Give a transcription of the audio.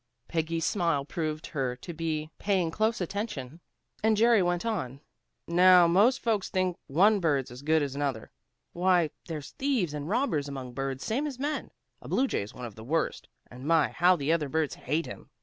'" Peggy's smile proved her to be paying close attention, and Jerry went on. "Now, most folks think one bird's as good as another. Why, there's thieves and robbers among birds same as men. A blue jay's one of the worst, and my, how the other birds hate him!